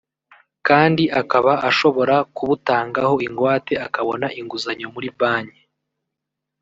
kandi akaba ashobora kubutangaho ingwate akabona inguzanyo muri banki